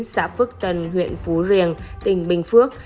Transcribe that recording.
xã phước tân huyện phú riềng tỉnh bình phước